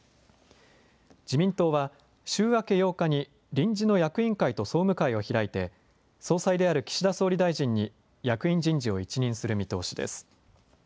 自民党は週明け８日に臨時の役員会と総務会を開いて総裁である岸田総理大臣に役員人事を一任する見通しです。